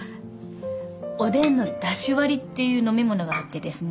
おでんのだし割りっていう飲み物があってですね。